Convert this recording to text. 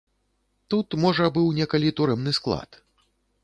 Тут, можа, быў некалі турэмны склад.